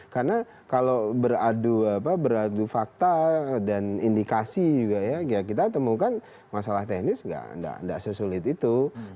karena kalau beradu fakta dan indikasi juga ya kita temukan masalah teknis tidak sesulit itu